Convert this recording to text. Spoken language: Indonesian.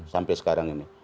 sampai sekarang ini